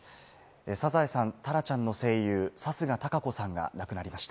『サザエさん』、タラちゃんの声優・貴家堂子さんが亡くなりました。